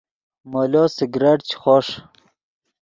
مولو سگریٹ چے خوݰ